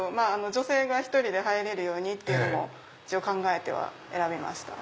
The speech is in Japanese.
女性が１人で入れるようにっていうのも一応考えて選びました。